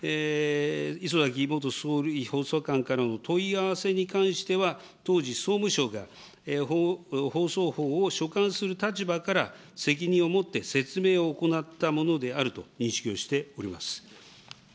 礒崎元総理補佐官からの問い合わせに関しては、当時、総務省が放送法を所管する立場から責任を持って説明を行ったものであると認識をしております。